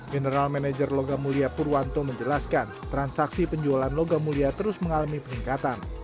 general manager logam mulia purwanto menjelaskan transaksi penjualan logam mulia terus mengalami peningkatan